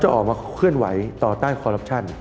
จะออกมาเชื่อมไว้ต่อต้านบินทุน